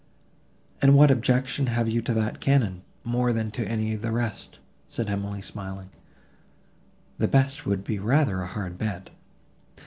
"And what objection have you to that cannon, more than to any of the rest?" said Emily smiling: "the best would be rather a hard bed."